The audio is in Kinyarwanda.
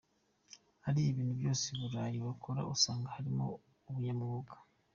Hariya ibintu byose i Burayi bakora usanga harimo ubunyamwuga.